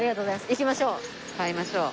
行きましょう。